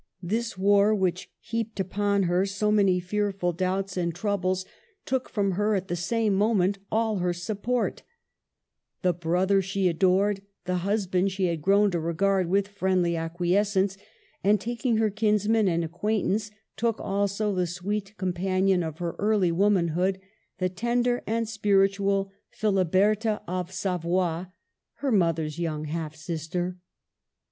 This war, which heaped upon her so many fearful doubts and 4 50 MARGARET OF ANGOULEME. troubles, took from her at the same moment all her support, — the brother she adored, the hus band she had grown to regard with friendly acquiescence ; and, taking her kinsmen and ac quaintance, took also the sweet companion of her early womanhood, the tender and spiritual Philiberta of Savoy, her mother's young half sister.